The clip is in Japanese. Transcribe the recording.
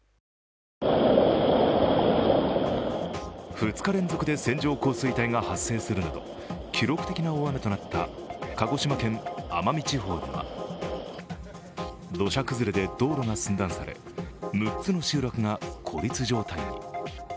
２日連続で線状降水帯が発生するなど記録的な大雨となった鹿児島県奄美地方では土砂崩れで道路が寸断され６つの集落が孤立状態に。